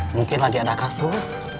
mungkin lagi ada kasus